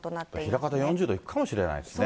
枚方４０度いくかもしれないですね。